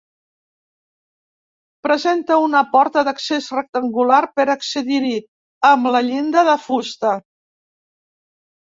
Presenta una porta d'accés rectangular per accedir-hi, amb la llinda de fusta.